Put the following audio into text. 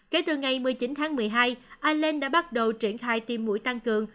kể từ ngày một mươi chín tháng một mươi hai ireland đã bắt đầu triển khai tiêm mũi tăng cường